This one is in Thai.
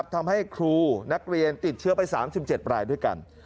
ครูนักเรียนติดเชื้อไป๓๗รายด้วยกัน